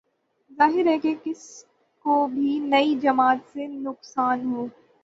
ظاہر ہے جس کس کو بھی نئی جماعت سے نقصان ہو